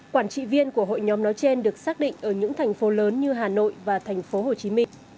quản trị viên của hội nhóm nói trên được xác định ở những thành phố lớn như hà nội và thành phố hồ chí minh